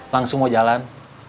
langsung mau jalan